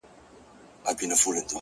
ما په لفظو کي بند پر بند ونغاړه،